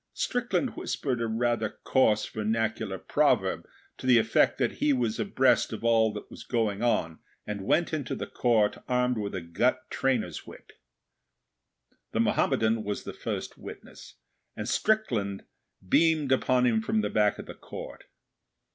Strickland whispered a rather coarse vernacular proverb to the effect that he was abreast of all that was going on, and went into the Court armed with a gut trainer's whip. The Mohammedan was the first witness, and Strickland beamed upon him from the back of the Court.